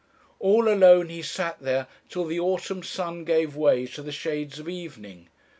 "All alone he sat there till the autumn sun gave way to the shades of evening.